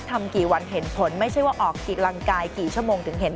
ทำกี่วันเห็นผลไม่ใช่ว่าออกกำลังกายกี่ชั่วโมงถึงเห็น